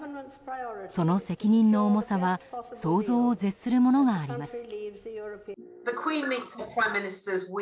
その責任の重さは想像を絶するものがあります。